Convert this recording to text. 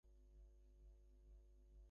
আমার কেসটা কোথায়?